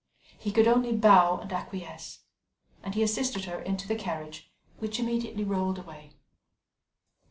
He could only bow and acquiesce; and he assisted her into the carriage, which immediately rolled away.